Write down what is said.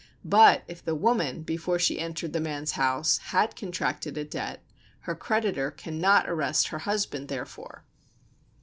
But if the woman, before she entered the man's house, had contracted a debt, her creditor cannot arrest her husband therefor.